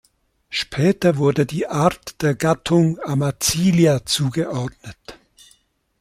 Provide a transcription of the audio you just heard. Später wurde die Art der Gattung "Amazilia" zugeordnet.